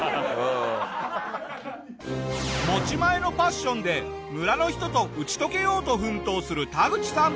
持ち前のパッションで村の人と打ち解けようと奮闘するタグチさん。